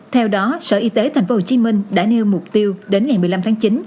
theo đó sở y tế tp hcm đã nêu mục tiêu đến ngày một mươi năm tháng chín